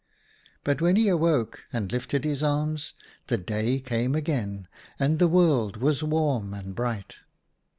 But when he awoke and lifted his arms, the day came again and the world was warm and bright.